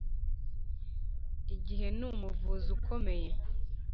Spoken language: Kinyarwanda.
igihe ni umuvuzi ukomeye